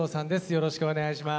よろしくお願いします。